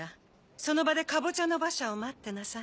その場でカボチャの馬車を待ってなさい。